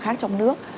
khác trong nước